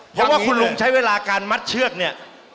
เพราะว่าคุณลุงใช้เวลาการมัดเชือกเนี่ย